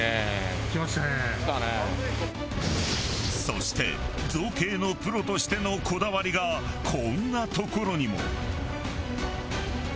そして造形のプロとしてのこだわりがこんなところにも。